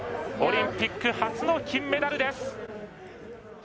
オリンピック初の金メダルです。